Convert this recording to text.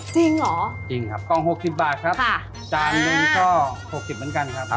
จริงครับคล้อง๖๐บาทครับจานนึงก็๖๐บาท